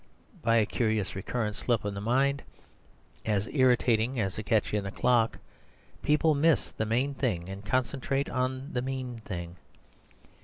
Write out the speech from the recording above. By a curious recurrent slip in the mind, as irritating as a catch in a clock, people miss the main thing and concentrate on the mean thing.